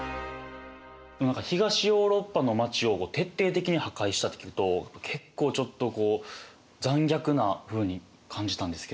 何か東ヨーロッパの町を徹底的に破壊したって聞くと結構ちょっとこう残虐なふうに感じたんですけど。